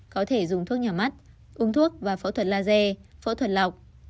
có thể dùng thuốc nhỏ mắt ung thuốc và phẫu thuật laser phẫu thuật lọc